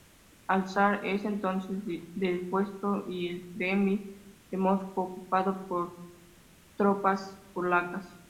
El zar es entonces depuesto y el Kremlin de Moscú ocupado por tropas polacas.